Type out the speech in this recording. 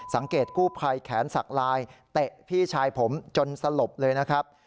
กู้ภัยแขนสักลายเตะพี่ชายผมจนสลบเลยนะครับ